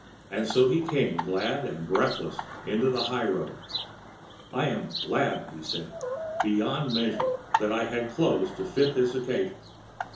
And so he came glad and breathless into the highroad. “I am glad,‚ÄĚ he said, “beyond measure, that I had clothes that fitted this occasion.